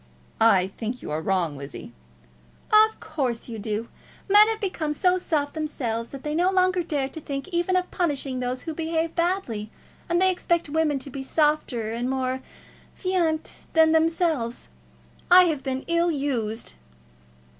"I think you are wrong, Lizzie." "Of course you do. Men have become so soft themselves, that they no longer dare to think even of punishing those who behave badly, and they expect women to be softer and more fainéant than themselves. I have been ill used."